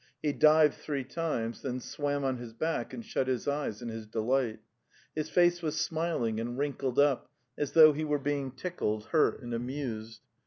He dived three times, then swam on his back and shut his eyes in his delight. His face was smiling and wrinkled up as though he were being tickled, hurt and amused.